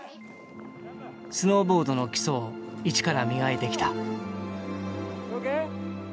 スノーボードの基礎を一から磨いてきた。